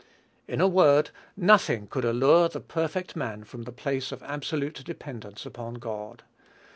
In a word, nothing could allure the perfect man from the place of absolute dependence upon God.